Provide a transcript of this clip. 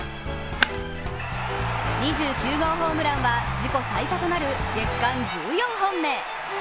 ２９号ホームランは自己最多となる月間１４本目。